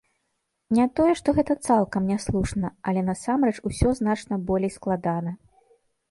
Не тое што гэта цалкам няслушна, але насамрэч усё значна болей складана.